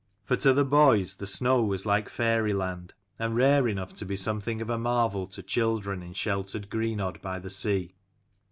For to the boys the snow was like fairyland, and rare enough to be something of a marvel to children in sheltered Greenodd by the sea.